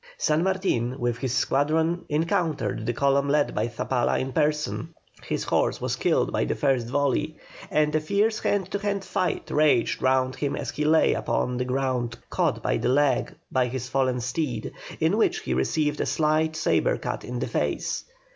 San Martin with his squadron encountered the column led by Zabala in person; his horse was killed by the first volley, and a fierce hand to hand fight raged round him as he lay upon the ground caught by the leg by his fallen steed, in which he received a slight sabre cut in the face.